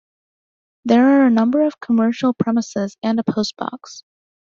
There are a number of commercial premises and a post box.